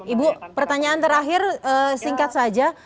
ibu pertanyaan terakhir singkat saja